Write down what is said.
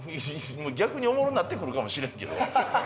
逆におもろなってくるかもしれんけど。